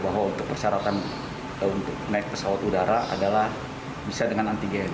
bahwa untuk persyaratan untuk naik pesawat udara adalah bisa dengan antigen